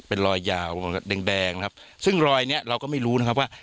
เป็นรอยยาวแดงแดงนะครับซึ่งรอยเนี้ยเราก็ไม่รู้นะครับว่า